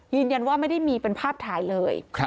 ยืนยันว่าไม่ได้มีเป็นภาพถ่ายเลย